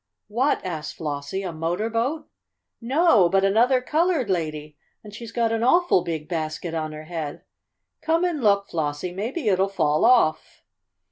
"What?" asked Flossie. "A motor boat?" "No, but another colored lady, and she's got an awful big basket on her head. Come and look, Flossie! Maybe it'll fall off!"